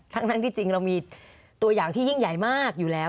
ทั้งที่จริงเรามีตัวอย่างที่ยิ่งใหญ่มากอยู่แล้ว